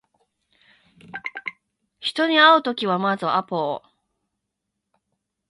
人に会うときはまずアポを